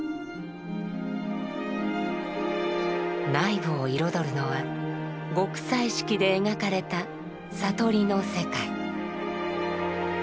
内部を彩るのは極彩色で描かれた「悟り」の世界。